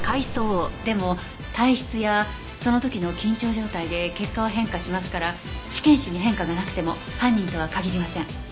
でも体質やその時の緊張状態で結果は変化しますから試験紙に変化がなくても犯人とは限りません。